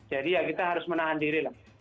jadi ya kita harus menahan diri lah